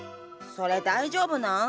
それ大丈夫なん？